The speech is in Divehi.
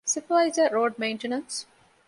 ސްޕަވައިޒަރ، ރޯޑް މެއިންޓެނަންސް